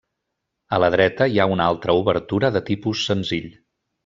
A la dreta hi ha una altra obertura de tipus senzill.